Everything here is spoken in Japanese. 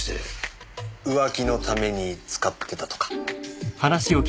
浮気のために使ってたとか？